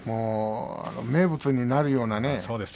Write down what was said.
名物になるようなね